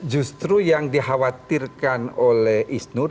justru yang dikhawatirkan oleh isnur